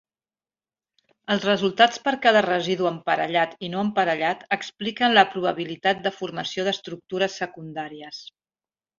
Els resultats per cada residu emparellat i no emparellat expliquen la probabilitat de formació d'estructures secundàries.